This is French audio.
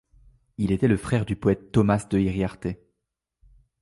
Il était le frère du poète Tomás de Iriarte.